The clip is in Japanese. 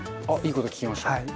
あっいいこと聞きました。